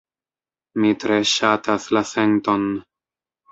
Mi tre ŝatas la senton.